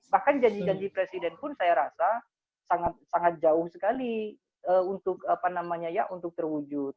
bahkan janji janji presiden pun saya rasa sangat jauh sekali untuk terwujud